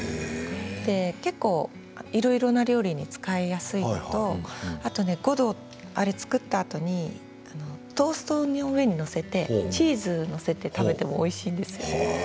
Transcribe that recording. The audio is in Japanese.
結構いろいろな料理に使いやすいのとあと、ごどを作ったあとにトーストの上に載せてチーズを載せて食べてもおいしいんですよ。